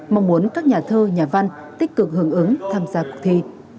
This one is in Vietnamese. mong muốn các nhà thơ nhà văn tích cực hưởng ứng tham gia cuộc thi